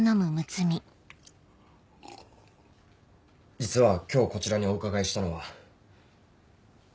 実は今日こちらにお伺いしたのは。